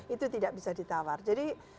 itu tidak bisa ditawar jadi